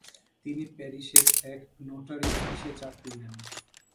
তিনি প্যারিসের এক নোটারি অফিসে চাকরি নেন।